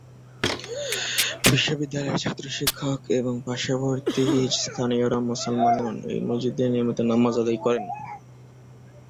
বিশ্ববিদ্যালয়ের ছাত্র শিক্ষক এবং পার্শ্ববর্তী স্থানীয়রা মুসলমানগণ এই মসজিদে নিয়মিত নামাজ আদায় করেন।